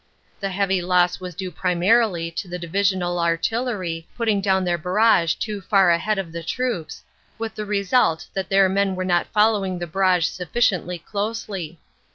The heavy loss was due primarily to the Divisional Artillery putting down their bar rage too far ahead of the troops, with the result that their men were not following the barrage sufficiently closely.